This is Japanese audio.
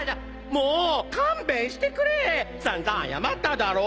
もう勘弁してくれ散々謝っただろ？